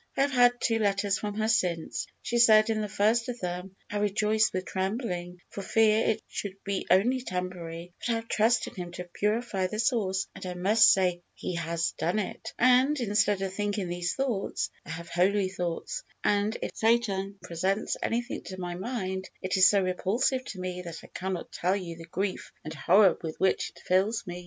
I have had two letters from her since. She said in the first of them, "I rejoice with trembling, for fear it should be only temporary, but I have trusted Him to purify the source, and I must say HE HAS DONE IT, and, instead of thinking these thoughts, I have holy thoughts, and if Satan presents anything to my mind, it is so repulsive to me that I cannot tell you the grief and horror with which it fills me."